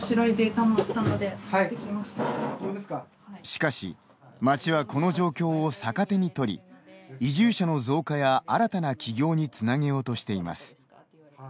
しかし、町はこの状況を逆手に取り、移住者の増加や新たな起業につなげようとしています。